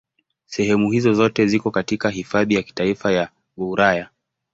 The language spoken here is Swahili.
Sehemu hizo zote ziko katika Hifadhi ya Kitaifa ya Gouraya.